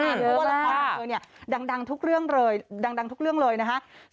เพราะว่าละครของเธอเนี่ยดังทุกเรื่องเลยดังทุกเรื่องเลยนะคะ